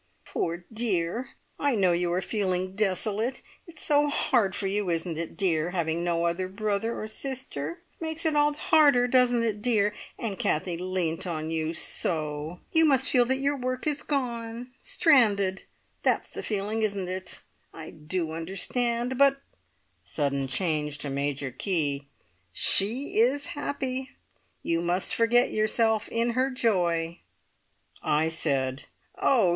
"Poor dear! I know you are feeling desolate. It's so hard for you, isn't it, dear, having no other brother or sister? Makes it all the harder, doesn't it, dear! And Kathie leant on you so! You must feel that your work is gone. Stranded! That's the feeling, isn't it? I do understand. But" (sudden change to major key) "she is happy! You must forget yourself in her joy!" I said, "Oh!